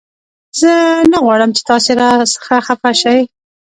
زه نه غواړم چې تاسې را څخه خفه شئ